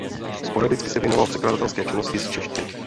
Sporadicky se věnoval překladatelské činnosti z češtiny.